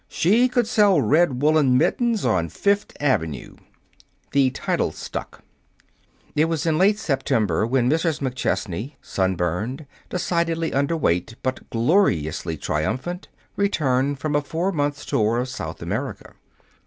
She could sell red woolen mittens on Fifth Avenue!" The title stuck. It was late in September when Mrs. McChesney, sunburned, decidedly under weight, but gloriously triumphant, returned from a four months' tour of South America.